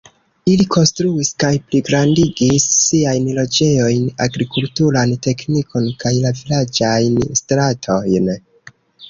Ili konstruis kaj pligrandigis siajn loĝejojn, agrikulturan teknikon kaj la vilaĝajn stratojn.